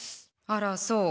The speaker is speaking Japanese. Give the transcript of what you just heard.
あらそう。